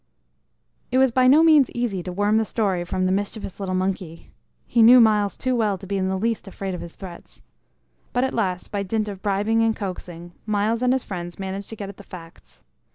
It was by no means easy to worm the story from the mischievous little monkey; he knew Myles too well to be in the least afraid of his threats. But at last, by dint of bribing and coaxing, Myles and his friends managed to get at the facts.